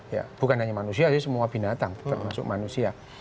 ya bukan hanya manusia tapi semua binatang termasuk manusia